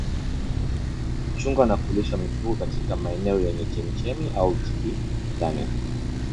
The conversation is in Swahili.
Kuchunga au kulisha mifugo katika maeneo yenye chemchemi au tindigani